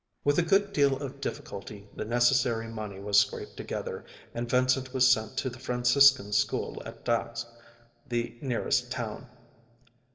With a good deal of difficulty the necessary money was scraped together, and Vincent was sent to the Franciscans' school at Dax, the nearest town.